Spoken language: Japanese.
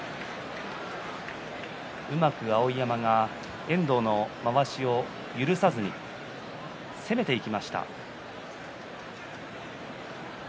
うまく、碧山が遠藤のまわしを許さずに攻めていきました。